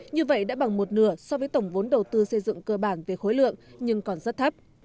như vậy đã bằng một nửa so với tổng vốn đầu tư xây dựng cơ bản về khối lượng nhưng còn rất thấp